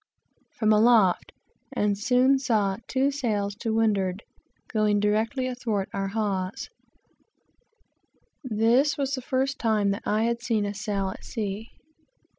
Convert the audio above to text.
from aloft, and soon saw two sails to windward, going directly athwart our hawse. This was the first time that I had seen a sail at sea.